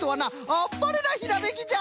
あっぱれなひらめきじゃ。